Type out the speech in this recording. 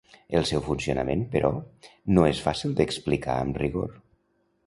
El seu funcionament, però, no és fàcil d'explicar amb rigor.